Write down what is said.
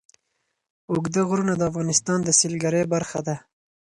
اوږده غرونه د افغانستان د سیلګرۍ برخه ده.